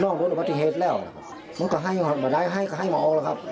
นอกผู้มีปฏิเหตุเลยงั้นก็ให้มาดายให้ก็ให้มาออกแล้วครับ